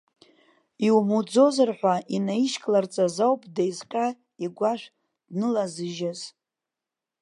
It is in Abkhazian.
Иумуӡозар ҳәа инаишькларҵаз ауп деизҟьа игәашә днылазыжьыз.